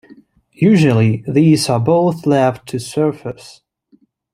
Usually these are both left to surfers.